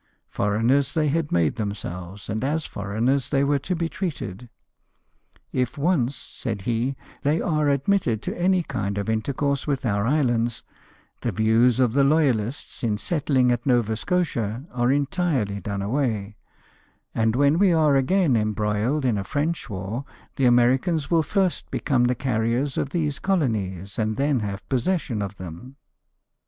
Foreigners they had made themselves, and as foreigners they were to be treated. " If once," said he, " they are admitted to any kind of intercourse with our islands, the views of the loyalists, in settling at Nova Scotia, are entirely done away; and when we are again embroiled in a French war, the Americans will first become the carriers of these colonies, and then have possession of them.